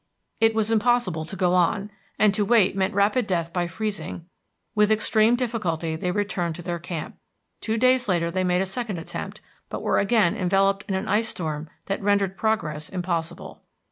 It was impossible to go on, and to wait meant rapid death by freezing; with extreme difficulty they returned to their camp. Two days later they made a second attempt, but were again enveloped in an ice storm that rendered progress impossible.